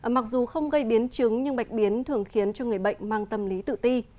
mặc dù không gây biến chứng nhưng bạch biến thường khiến cho người bệnh mang tâm lý tự ti